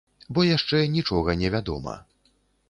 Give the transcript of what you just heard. Бо яшчэ нічога не вядома.